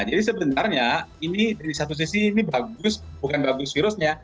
jadi sebenarnya ini dari satu sisi ini bagus bukan bagus virusnya